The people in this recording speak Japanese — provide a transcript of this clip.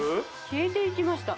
消えていきました